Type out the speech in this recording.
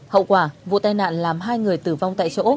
hậu quả vụ tên hạn làm hai người tử vong tại chỗ